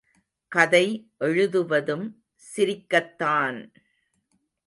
கதை எழுதுவதும் சிரிக்கத்தான்!